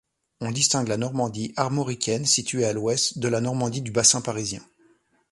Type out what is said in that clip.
On distingue la Normandie armoricaine, située à l'ouest, de la Normandie du bassin parisien.